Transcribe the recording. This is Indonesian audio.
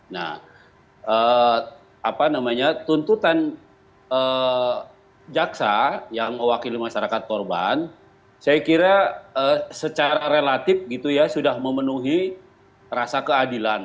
nah apa namanya tuntutan jaksa yang mewakili masyarakat korban saya kira secara relatif gitu ya sudah memenuhi rasa keadilan